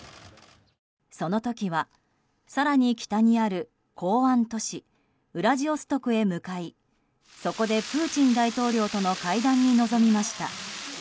その時は更に北にある港湾都市ウラジオストクへ向かいそこでプーチン大統領との会談に臨みました。